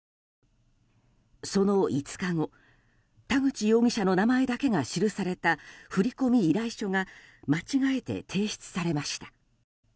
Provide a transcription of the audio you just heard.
その５日後田口容疑者の名前だけが記された振込依頼書が間違えて提出されました。